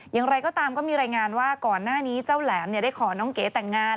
อย่างไรก็ตามก็มีรายงานว่าก่อนหน้านี้เจ้าแหลมได้ขอน้องเก๋แต่งงาน